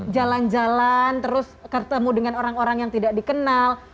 jalan jalan terus ketemu dengan orang orang yang tidak dikenal